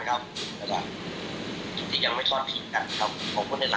ก็ไม่ทอดผิดขอบคุณค่ะ